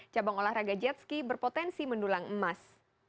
cabang olahraga jetski berpotensi mendulang emas